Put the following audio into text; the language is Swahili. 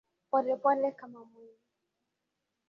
Polepole kama mwendo.